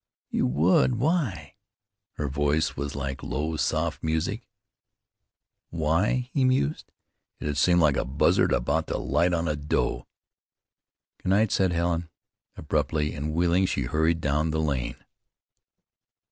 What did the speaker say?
"You would? Why?" Her voice was like low, soft music. "Why?" he mused. "It'd seem like a buzzard about to light on a doe." "Good night," said Helen abruptly, and, wheeling, she hurried down the lane.